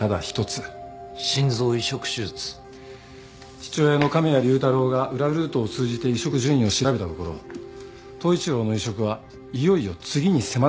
父親の神谷竜太郎が裏ルートを通じて移植順位を調べたところ統一郎の移植はいよいよ次に迫っていたらしい。